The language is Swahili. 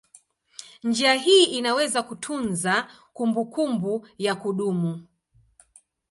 Njia hii inaweza kutunza kumbukumbu ya kudumu.